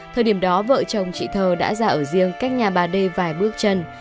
thời điểm đó vợ chồng chị thơ đã ra ở riêng cách nhà bà đê vài bước chân